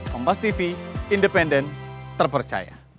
kompas tv independen terpercaya